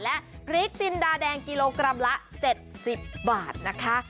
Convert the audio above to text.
และพริกจินดาแดงกิโลกรัมละ๗๐บาทนะคะ